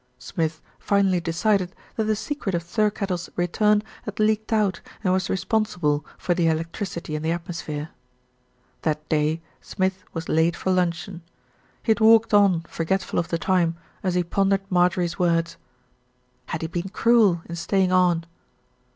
Smith finally decided that the .secret of Thirkettle's return had leaked out and was responsible for the electricity in the atmosphere. That day Smith was late for luncheon. He had walked on forgetful of the time, as he pondered Mar jorie's words. Had he been cruel in staying on?